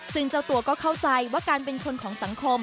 ซึ่งเจ้าตัวก็เข้าใจว่าการเป็นคนของสังคม